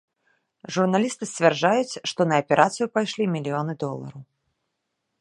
Журналісты сцвярджаюць, што на аперацыю пайшлі мільёны долараў.